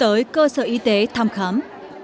tới cơ sở y tế thăm khám